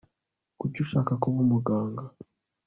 kuki ushaka kuba umuganga